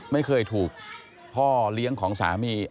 ไม่เคยถูกพ่อเลี้ยงของสามี